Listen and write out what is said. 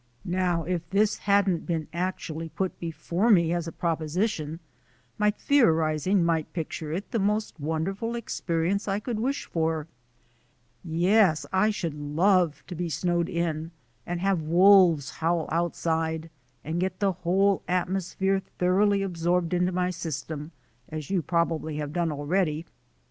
"Now, if this hadn't been actually put before me as a proposition, my theorizing might picture it as the most wonderful experience I could wish for — yes, I should love to be snowed in and have wolves howl outside, and get the whole atmosphere thoroughly absorbed into my system, as you prob ably have done already.